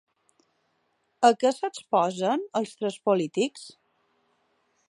A què s'exposen els tres polítics?